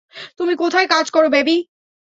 তুমি কোথায় কাজ করো, বেবি?